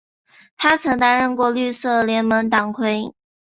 他担任过绿色联盟党魁。